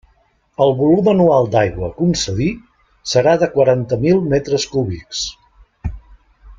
El volum anual d'aigua a concedir serà de quaranta mil metres cúbics.